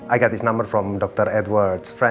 aku dapat nomornya dari teman dr edward